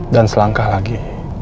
dan selangkah lagi